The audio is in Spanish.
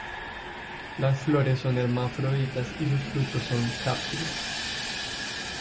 Las flores son hermafroditas y sus frutos son cápsulas.